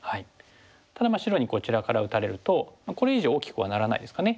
ただ白にこちらから打たれるとこれ以上大きくはならないですかね。